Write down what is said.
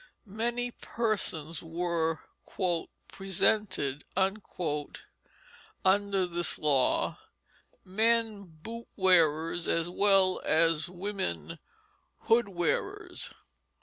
Many persons were "presented" under this law, men boot wearers as well as women hood wearers.